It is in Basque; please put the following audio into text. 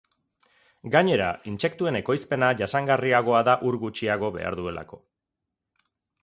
Gainera, intsektuen ekoizpena jasangarriagoa da ur gutxiago behar duelako.